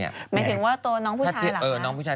หมายถึงว่าน้องผู้ชายหลักล่ะ